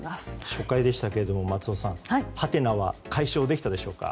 初回でしたが松尾さんハテナは解消できたでしょうか？